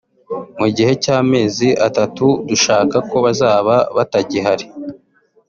Mu gihe cy’amezi atatu dushaka ko bazaba batagihari